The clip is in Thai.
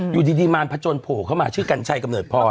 อยู่ดีมารพจนโผล่เข้ามาชื่อกัญชัยกำเนิดพร